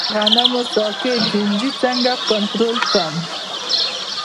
د غنمو د ساقې چینجی څنګه کنټرول کړم؟